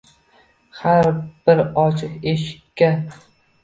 Har bir ochiq eshikka